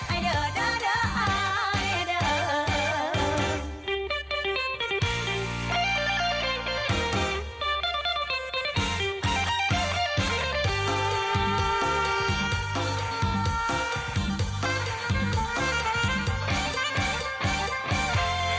ไอเดอเดอะ